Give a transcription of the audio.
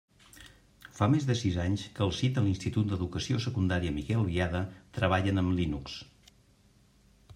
Fa més de sis anys que al SIT de l'Institut d'Educació Secundària Miquel Biada treballen amb Linux.